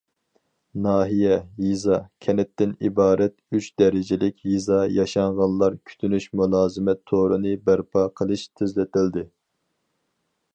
ناھىيە، يېزا، كەنتتىن ئىبارەت ئۈچ دەرىجىلىك يېزا ياشانغانلار كۈتۈنۈش مۇلازىمەت تورىنى بەرپا قىلىش تېزلىتىلدى.